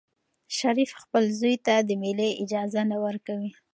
شریف خپل زوی ته د مېلې اجازه نه ورکوي.